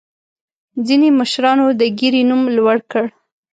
ځینې مشرانو د ګیرې نوم لوړ کړ.